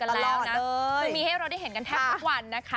คือมีระดาษที่เราที่เห็นน่ะนะคะ